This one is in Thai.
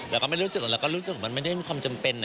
แล้วก็รู้สึกมันไม่ได้มีความจำเป็น